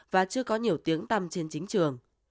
và chưa có nhiều tiếng tăm trên chính trường